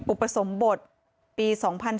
อุปสมบทปี๒๕๔